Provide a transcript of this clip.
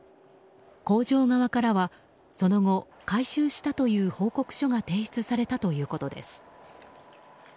工場側からはその後、改修したという報告書が提出されたということです。